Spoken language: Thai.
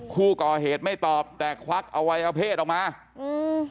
ผู้ก่อเหตุไม่ตอบแต่ควักอวัยวเพศออกมาอืม